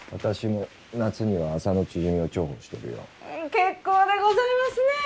結構でございますね。